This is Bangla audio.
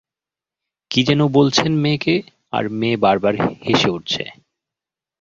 কি যেন বলছেন মেয়েকে, আর মেয়ে বারবার হোসে উঠছে।